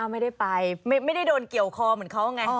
ไม่ได้ไปไม่ได้โดนเกี่ยวคอเหมือนเขาไง